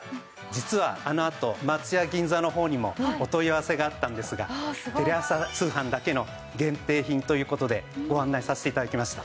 実はあのあと松屋銀座のほうにもお問い合わせがあったんですがテレ朝通販だけの限定品という事でご案内させて頂きました。